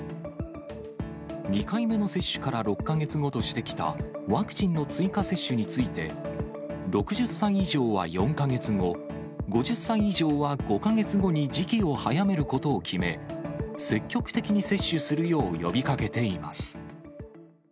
２回目の接種から６か月後としてきたワクチンの追加接種について、６０歳以上は４か月後、５０歳以上は５か月後に時期を早めることを決め、積極的に接種するよう呼びかけています。